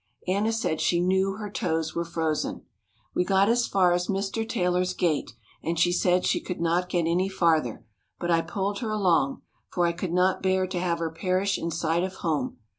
Anna said she knew her toes were frozen. We got as far as Mr. Taylor's gate and she said she could not get any farther; but I pulled her along, for I could not bear to have her perish in sight of home.